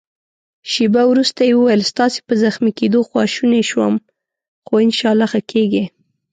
شېبه وروسته يې وویل: ستاسي په زخمي کېدو خواشینی شوم، خو انشاالله ښه کېږې.